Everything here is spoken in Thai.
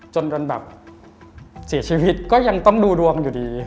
จนแบบเสียชีวิตก็ยังต้องดูดวงอยู่ดี